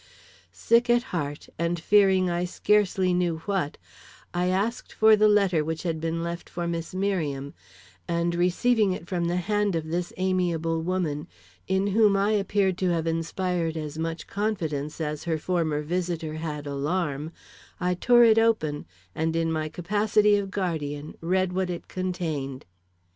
Sick at heart and fearing I scarcely knew what, I asked for the letter which had been left for Miss Merriam, and receiving it from the hand of this amiable woman in whom I appeared to have inspired as much confidence as her former visitor had alarm, I tore it open, and in my capacity of guardian read what it contained.